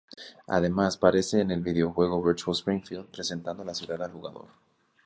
Además parece en el videojuego "Virtual Springfield", presentando la ciudad al jugador.